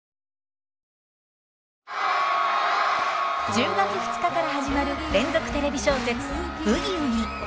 １０月２日から始まる連続テレビ小説「ブギウギ」。